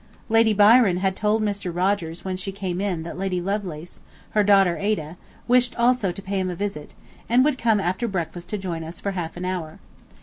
Lady Byron had told Mr. Rogers when she came in that Lady Lovelace, her daughter (Ada) wished also to pay him a visit, and would come after breakfast to join us for half an hour.